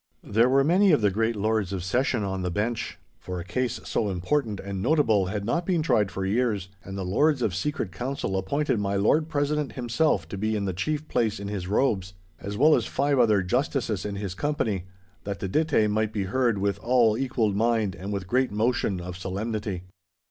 There were many of the great Lords of Session on the bench. For a case so important and notable had not been tried for years, and the Lords of Secret Council appointed my Lord President himself to be in the chief place in his robes, as well as five other justices in his company, that the dittay might be heard with all equal mind and with great motion of solemnity.